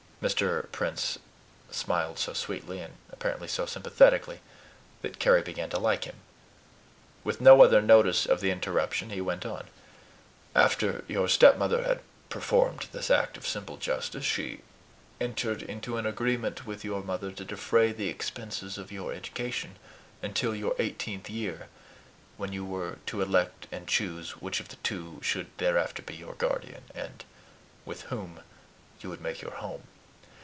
Mr. Prince smiled so sweetly, and apparently so sympathetically, that Carry began to like him. With no other notice of the interruption he went on, "After your stepmother had performed this act of simple justice, she entered into an agreement with your mother to defray the expenses of your education until your eighteenth year, when you were to elect and choose which of the two should thereafter be your guardian, and with whom you would make your home.